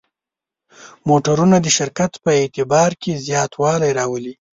موټرونه د شرکت په اعتبار کې زیاتوالی راولي.